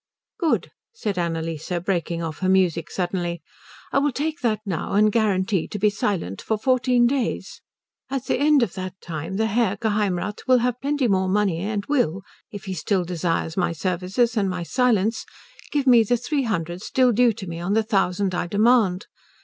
"Good," said Annalise, breaking off her music suddenly. "I will take that now and guarantee to be silent for fourteen days. At the end of that time the Herr Geheimrath will have plenty more money and will, if he still desires my services and my silence, give me the three hundred still due to me on the thousand I demand.